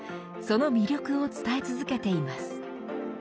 その魅力を伝え続けています。